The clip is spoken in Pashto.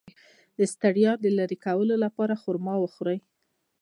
د ستړیا د لرې کولو لپاره خرما وخورئ